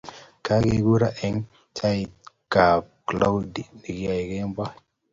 Kageguro eng chaikab Claudia nekiyoe kemoi